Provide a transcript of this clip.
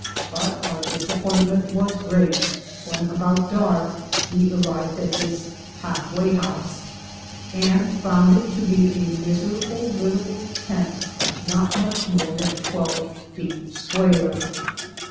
But our disappointment was great, when about dark, we arrived at this half way house, and found it to be a miserable little tent, not much more than twelve feet square.